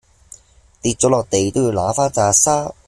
跌咗落地都要揦返秅沙